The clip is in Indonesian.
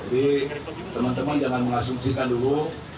jadi teman teman jangan mengasumsikan dulu